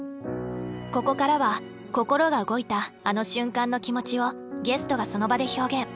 ここからは心が動いたあの瞬間の気持ちをゲストがその場で表現。